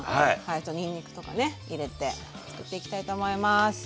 あとにんにくとかね入れてつくっていきたいと思います。